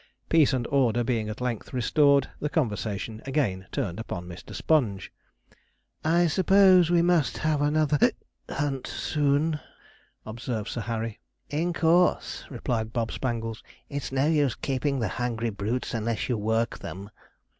Peace and order being at length restored, the conversation again turned upon Mr. Sponge. 'I suppose we must have another hunt soon,' observed Sir Harry. 'In course,' replied Bob Spangles; 'it's no use keeping the hungry brutes unless you work them.'